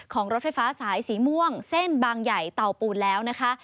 รถไฟฟ้าสายสีม่วงเส้นบางใหญ่เตาปูนแล้วนะคะ